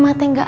emak teh juga